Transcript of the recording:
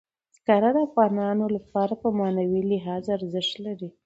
زغال د افغانانو لپاره په معنوي لحاظ ارزښت لري.